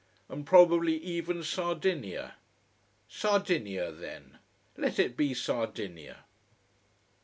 And probably even Sardinia. Sardinia then. Let it be Sardinia.